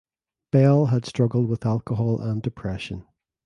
Bell had struggled with alcohol and depression.